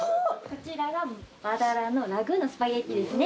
こちらがマダラのラグーのスパゲティですね。